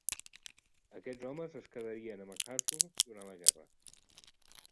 Aquests homes es quedarien amb MacArthur durant la guerra.